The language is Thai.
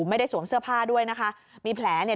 ไม่ได้สวมเสื้อผ้าด้วยนะคะมีแผลเนี่ย